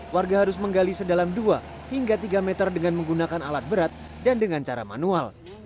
warga harus menggali sedalam dua hingga tiga meter dengan menggunakan alat berat dan dengan cara manual